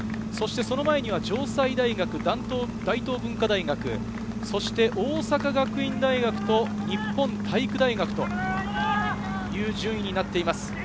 その前に城西大学、大東文化大学、そして大阪学院大学と日本体育大学という順位になっています。